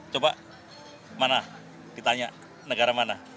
coba mana ditanya negara mana